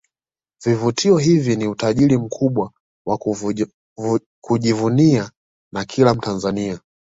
Vivutio hivi ni utajiri mkubwa wa kujivunia na kila Mtanzania